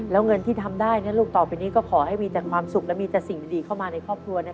แล้วที่สำคัญที่สุดเลยก็คือ